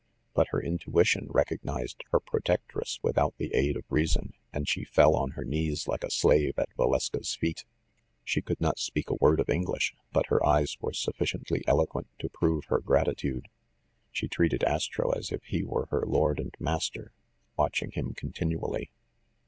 But her intuition recognized her protectress without the aid of reason, and she fell on her knees like a slave at Valeska's feet. She could not speak a word of Eng lish; but her eyes were sufficiently eloquent to prove her gratitude. She treated Astro as if he were her lord and master, watching him continually.